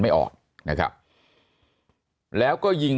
มีความรู้สึกว่า